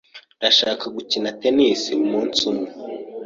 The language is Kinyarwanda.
Ndashaka gukina tennis umunsi umwe.